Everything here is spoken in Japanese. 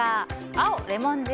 青、レモン汁